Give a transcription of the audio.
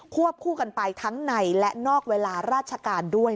วบคู่กันไปทั้งในและนอกเวลาราชการด้วย